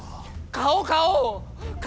顔、顔！